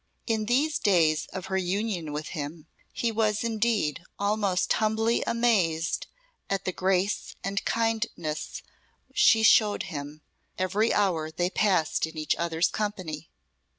In these days of her union with him, he was, indeed, almost humbly amazed at the grace and kindness she showed him every hour they passed in each other's company.